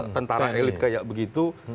tentara elit kayak begitu